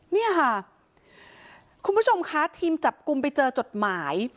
เนี่ยค่ะคุณผู้ชมค่ะทีมจับกลุ่มไปเจอจดหมาย